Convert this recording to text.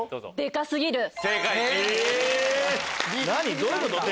どういうこと？